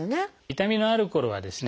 痛みのあるころはですね